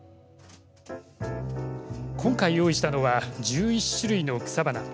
今回用意したのは１１種類の草花。